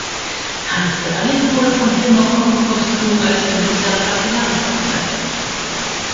Hans Gerling wurde von Hilmar Kopper posthum als ein „sozialer Patriarch“ bezeichnet.